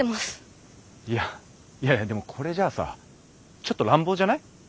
いやいやいやでもこれじゃあさちょっと乱暴じゃない？